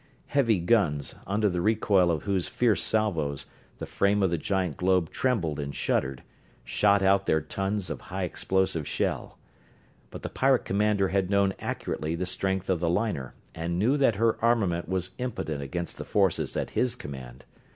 Heavy guns, under the recoil of whose fierce salvos, the frame of the giant globe trembled and shuddered, shot out their tons of high explosive shell. But the pirate commander had known accurately the strength of the liner, and knew that her armament was impotent against the forces at his command.